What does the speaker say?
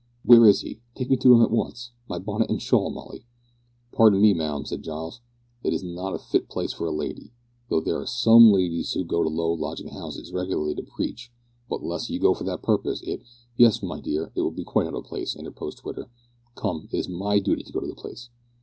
'" "Where is he? Take me to him at once. My bonnet and shawl, Molly!" "Pardon me, ma'am," said Giles. "It is not a very fit place for a lady though there are some ladies who go to low lodging houses regularly to preach; but unless you go for that purpose it " "Yes, my dear, it would be quite out of place," interposed Twitter. "Come, it is my duty to go to this place.